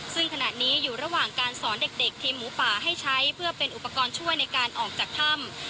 ซึ่งขณะนี้อยู่ระหว่างการสอนเด็กทีมหมูป่าให้ใช้เพื่อเป็นอุปกรณ์ช่วยในการออกจากถ้ำ